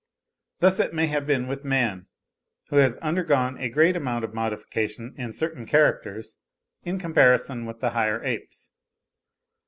Thus it may have been with man, who has undergone a great amount of modification in certain characters in comparison with the higher apes.